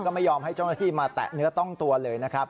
ก็ไม่ยอมให้เจ้าหน้าที่มาแตะเนื้อต้องตัวเลยนะครับ